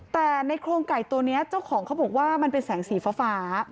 แต่ในโครงไก่ตัวนี้เจ้าของเขาบอกว่ามันเป็นแสงสีฟ้า